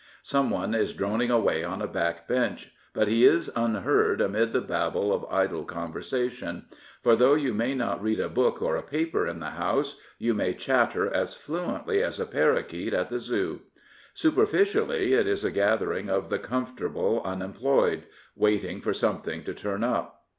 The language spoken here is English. Someone is droning away on a back bench, but he is unheard amid the babble of idle conversation; for, though you may not read a book or a paper in the House, you may chatter as fluently as a parrakeet at the Zoo. Superficially it is a gathering of the comfort able unemployed, waiting for something to turn up.